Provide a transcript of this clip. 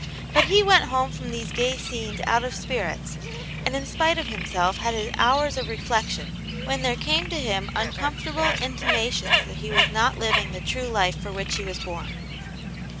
But he went home from these gay scenes out of spirits, and in spite of himself had his hours of reflection, when there came to him uncomfortable intimations that he was not living the true life for which he was born.